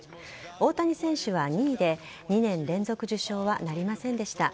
大谷選手は２位で２年連続受賞はなりませんでした。